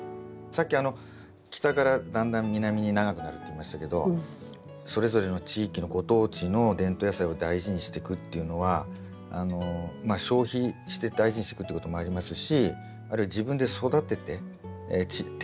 さっき北からだんだん南に長くなるって言いましたけどそれぞれの地域のご当地の伝統野菜を大事にしてくっていうのはまあ消費して大事にしていくってこともありますしあるいは自分で育ててタネが手に入ればですよ